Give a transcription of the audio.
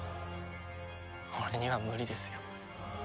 俺には無理ですよ。